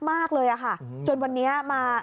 ป้าของน้องธันวาผู้ชมข่าวอ่อน